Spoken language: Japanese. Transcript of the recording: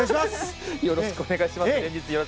よろしくお願いします。